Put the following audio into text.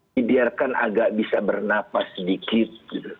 dibiarkan agak bisa bernapas sedikit